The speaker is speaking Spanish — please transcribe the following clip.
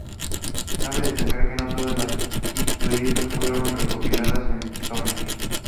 Cabe destacar que no todas las historietas fueron recopiladas en tomos.